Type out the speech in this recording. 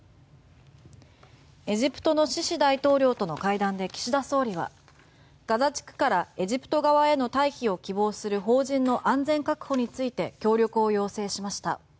エジプトのシシ大統領との会談で岸田総理はガザ地区からエジプト側への退避を希望する邦人の安全確保について協力を要請しました。